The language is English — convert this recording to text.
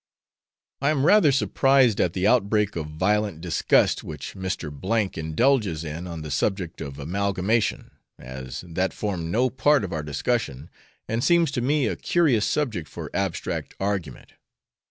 I am rather surprised at the outbreak of violent disgust which Mr. indulges in on the subject of amalgamation; as that formed no part of our discussion, and seems to me a curious subject for abstract argument.